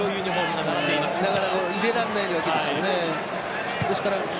なかなか入れられないわけですよね。